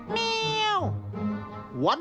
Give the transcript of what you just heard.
เม่วเม่ว